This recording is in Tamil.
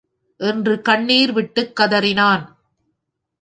என்று கண்ணிர்விட்டுக் கதறினான்.